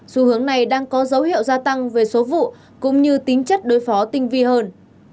xu hướng này đang có dấu hiệu gia tăng về số vụ cũng như tính chất đối phó tinh vi hơn